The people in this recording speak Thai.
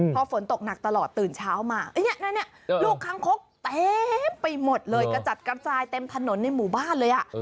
พอฝนตกหนักตลอดตื่นเช้ามาลูกค้างคกเต็มไปหมดเลยกระจัดกระจายเต็มถนนในหมู่บ้านเลย